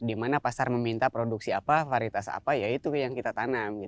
di mana pasar meminta produksi apa varietas apa ya itu yang kita tanam